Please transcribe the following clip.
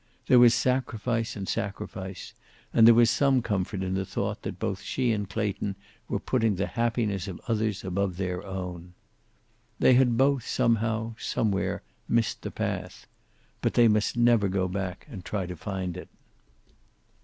There was sacrifice and sacrifice, and there was some comfort in the thought that both she and Clayton were putting the happiness of others above their own. They had both, somehow, somewhere, missed the path. But they must never go back and try to find it.